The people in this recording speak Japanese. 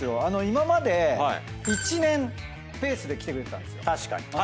今まで１年ペースで来てくれてたんですよ。